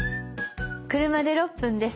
車で６分です。